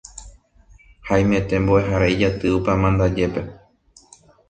Haimete mboʼehára ijaty upe amandajépe.